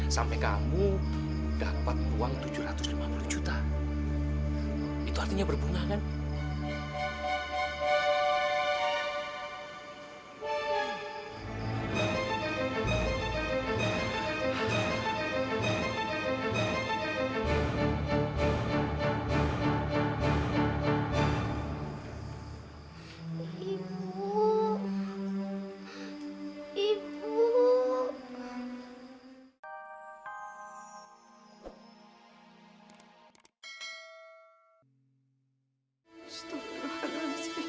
sampai jumpa di video selanjutnya